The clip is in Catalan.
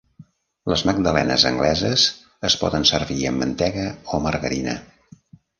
Les magdalenes angleses es poden servir amb mantega o margarina.